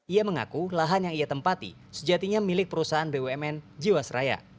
ia mengaku lahan yang ia tempati sejatinya milik perusahaan bumn jawa seraya